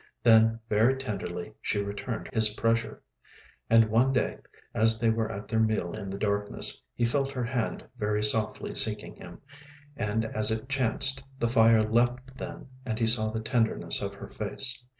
Then very tenderly she returned his pressure. And one day, as they were at their meal in the darkness, he felt her hand very softly seeking him, and as it chanced the fire leapt then, and he saw the tenderness of her face.